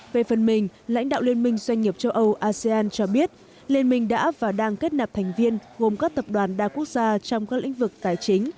về phần mình lãnh đạo liên minh doanh nghiệp châu âu asean cho biết liên minh đã và đang kết nạp thành viên gồm các tập đoàn đa quốc gia trong các lĩnh vực tài chính